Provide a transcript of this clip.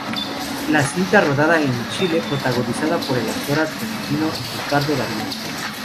La cinta, rodada en Chile y protagonizada por el actor argentino Ricardo Darín.